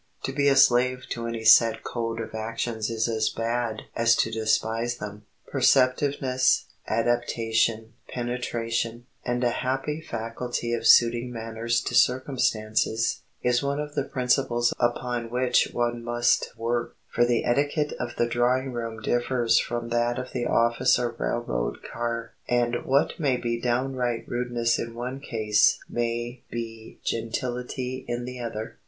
To be a slave to any set code of actions is as bad as to despise them. Perceptiveness, adaptation, penetration, and a happy faculty of suiting manners to circumstances, is one of the principles upon which one must work; for the etiquette of the drawing room differs from that of the office or railroad car, and what may be downright rudeness in one case may be gentility in the other.